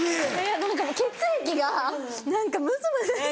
何かもう血液が何かむずむず。